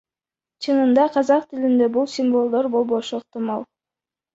Чынында казак тилинде бул символдор болбошу ыктымал.